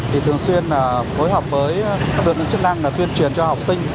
thì thường xuyên phối hợp với được những chức năng là tuyên truyền cho học sinh